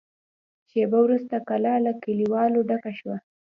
شېبه وروسته کلا له کليوالو ډکه شوه.